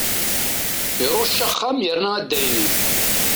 Irucc axxam yerna addaynin.